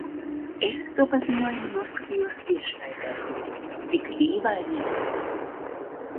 Es to paziņojumu noskatījos tiešraidē. Tik dīvaini.